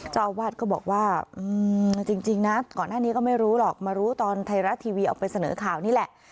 เจ้าอาวาสก็บอกว่าจริงนะก่อนหน้านี้ก็ไม่รู้หรอกมารู้ตอนไทยรัฐทีวีเอาไปเสนอข่าวนี่แหละ